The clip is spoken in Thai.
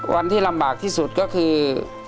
วันที่ลำบากที่สุดก็คือ